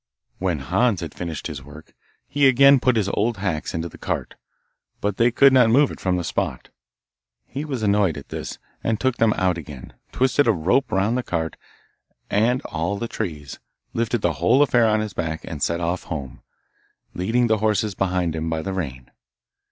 When Hans had finished his work, he again put his old hacks into the cart, but they could not move it from the spot. He was annoyed at this, and took them out again, twisted a rope round the cart, and all the trees, lifted the whole affair on his back, and set off home, leading the horses behind him by the rein.